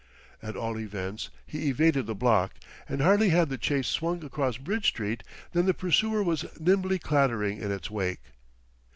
At all events, he evaded the block, and hardly had the chase swung across Bridge Street, than the pursuer was nimbly clattering in its wake.